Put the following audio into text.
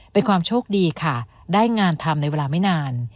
เป็นความโชคดีค่ะได้งานทำในเวลาไม่นาน